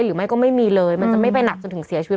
หรือไม่ก็ไม่มีเลยมันจะไม่ไปหนักจนถึงเสียชีวิต